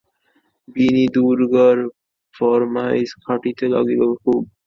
বিনি দুর্গার ফরমাইজ খাটিতে লাগিল খুব।